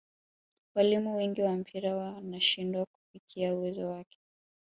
walimu wengi wa mpira wanashindwa kufikia uwezo wake